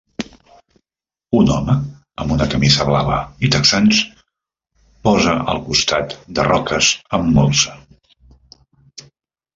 Un home amb una camisa blava i texans posa al costat de roques amb molsa.